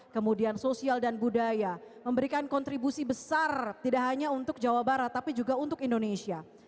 kemudian sosial dan budaya memberikan kontribusi besar tidak hanya untuk jawa barat tapi juga untuk indonesia